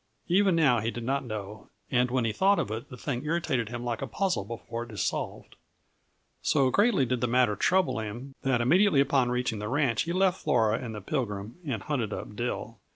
Even now he did not know, and when he thought of it the thing irritated him like a puzzle before it is solved. So greatly did the matter trouble him that immediately upon reaching the ranch he left Flora and the Pilgrim and hunted up Dill.